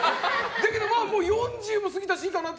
だけどもう４０も過ぎたしいいかなって。